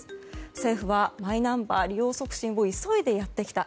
政府はマイナンバー利用促進を急いでやってきた。